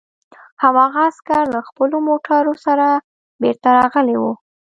هماغه عسکر له خپلو موټرو سره بېرته راغلي وو